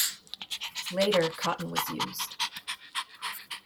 Later cotton was used.